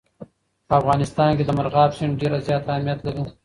په افغانستان کې مورغاب سیند ډېر زیات اهمیت لري.